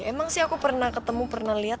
emang sih aku pernah ketemu pernah lihat